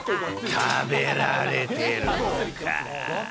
食べられているのか。